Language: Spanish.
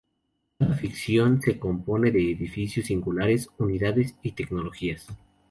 Cada facción se compone de edificios singulares, unidades, y tecnologías.